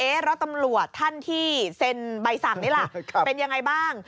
แล้วตำรวจท่านที่เซ็นใบสั่งนี้ล่ะเป็นยังไงบ้าง